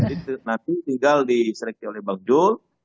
jadi nanti tinggal disereksi oleh bang zulkifli